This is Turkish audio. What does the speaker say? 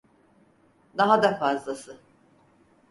Daha da fazlası.